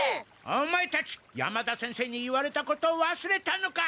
オマエたち山田先生に言われたことを忘れたのか！